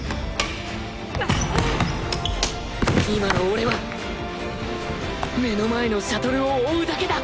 今の俺は目の前のシャトルを追うだけだ